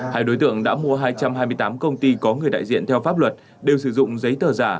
hai đối tượng đã mua hai trăm hai mươi tám công ty có người đại diện theo pháp luật đều sử dụng giấy tờ giả